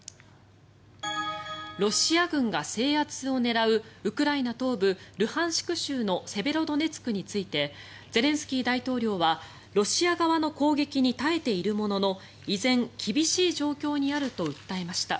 ロシア軍が制圧を狙うウクライナ東部ルハンシク州のセベロドネツクについてゼレンスキー大統領はロシア側の攻撃に耐えているものの依然、厳しい状況にあると訴えました。